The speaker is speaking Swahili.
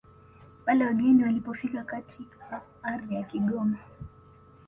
pale wageni walipofika katika ardhi ya Kigoma